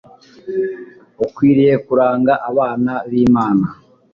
ikwiriye kuranga abana bImana